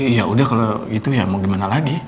ya udah kalau itu ya mau gimana lagi